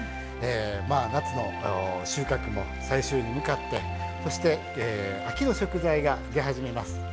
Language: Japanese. まあ夏の収穫も最終に向かってそして秋の食材が出始めます。